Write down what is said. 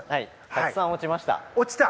たくさん落ちました。